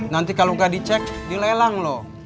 nanti kalo gak dicek dilelang loh